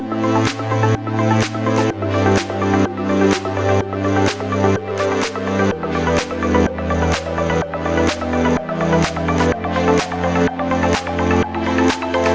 katakan apa yang terjadi dengan sukma